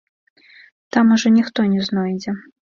Там ужо ніхто не знойдзе.